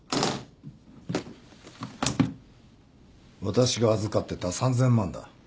私が預かってた３，０００万だ。